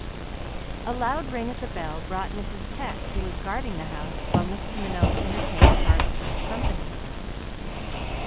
A loud ring at the bell brought Mrs. Pecq, who was guarding the house, while Mrs. Minot entertained a parlor full of company.